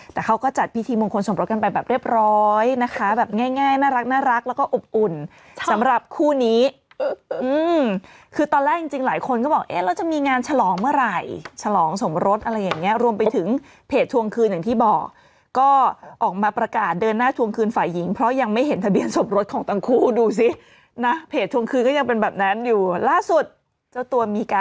แต่เขาก็จัดพิธีมงคลสมรสกันไปแบบเรียบร้อยนะคะ